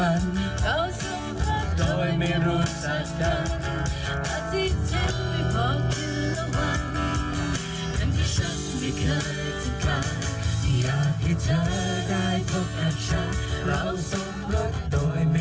เราสมรสโดยไม่มอดมากนัด